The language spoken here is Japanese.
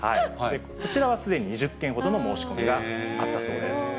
こちらはすでに２０件ほどの申し込みがあったそうです。